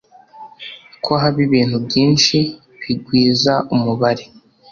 ko haba ibintu byinshi bigwiza umubare